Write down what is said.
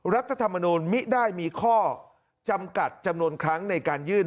รัฐธรรมนูลมิได้มีข้อจำกัดจำนวนครั้งในการยื่น